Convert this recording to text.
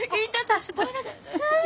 ごめんなさい！